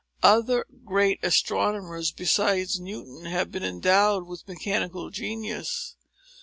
Other great astronomers, besides Newton, have been endowed with mechanical genius.